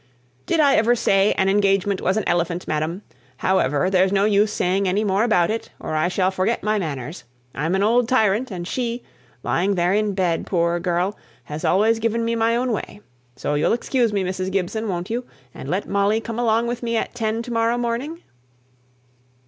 "Did I ever say an engagement was an elephant, madam? However, there's no use saying any more about it, or I shall forget my manners. I'm an old tyrant, and she lying there in bed, poor girl has always given me my own way. So you'll excuse me, Mrs. Gibson, won't you; and let Molly come along with me at ten to morrow morning?"